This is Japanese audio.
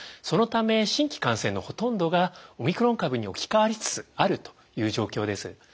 そのため新規感染のほとんどがオミクロン株に置き換わりつつあるという状況です。